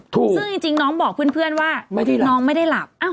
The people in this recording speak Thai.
ซึ่งจริงน้องบอกเพื่อนว่าน้องไม่ได้หลับ